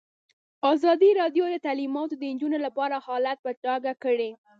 ازادي راډیو د تعلیمات د نجونو لپاره حالت په ډاګه کړی.